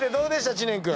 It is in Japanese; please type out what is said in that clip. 知念君。